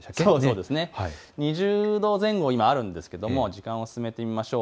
２０度前後、今あるんですが時間を進めてみましょう。